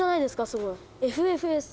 すごい「ＦＦＳ」